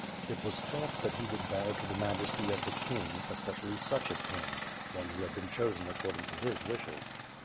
It was thought that he would bow to the majesty of the king, especially such a king; one who had been chosen ac cording to his wishes.